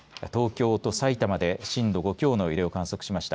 東京と埼玉で震度５強の揺れを観測しました。